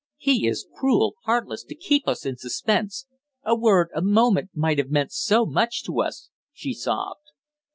"He is cruel, heartless, to keep us in suspense. A word, a moment might have meant so much to us " she sobbed.